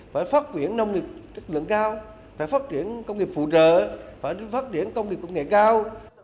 phải phát triển nông nghiệp chất lượng cao phải phát triển công nghiệp phụ trợ phải đến phát triển công nghiệp công nghệ cao